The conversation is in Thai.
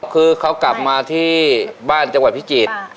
คือเขากลับมาที่บ้านจังหวัดพิจิตร